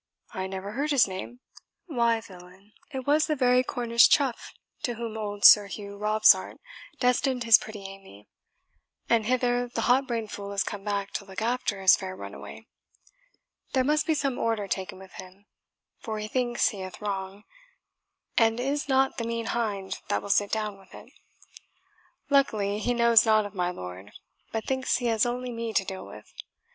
I never heard his name." "Why, villain, it was the very Cornish chough to whom old Sir Hugh Robsart destined his pretty Amy; and hither the hot brained fool has come to look after his fair runaway. There must be some order taken with him, for he thinks he hath wrong, and is not the mean hind that will sit down with it. Luckily he knows nought of my lord, but thinks he has only me to deal with.